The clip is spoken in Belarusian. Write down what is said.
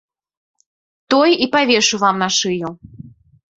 Той і павешу вам на шыю.